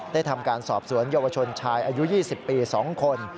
ทำการสอบสวนเยาวชนชายอายุ๒๐ปี๒คน